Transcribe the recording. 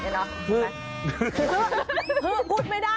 คงพูดไม่ได้แล้ว